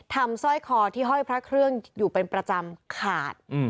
สร้อยคอที่ห้อยพระเครื่องอยู่เป็นประจำขาด